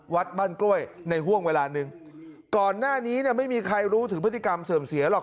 วัดบ้านกล้วยในห่วงเวลาหนึ่งก่อนหน้านี้เนี่ยไม่มีใครรู้ถึงพฤติกรรมเสื่อมเสียหรอก